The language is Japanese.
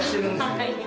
はい。